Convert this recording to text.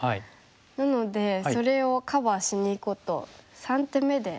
なのでそれをカバーしにいこうと３手目で。